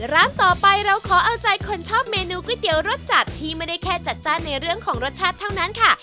ร้านต่อไปเราขอเอาใจคนชอบเมนูก๋วยเตี๋ยวรสจัดที่ไม่ได้แค่จัดจ้านในเรื่องของรสชาติเท่านั้นค่ะ